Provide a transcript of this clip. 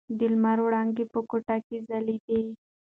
د لمر وړانګې په کوټه کې ځلېدې.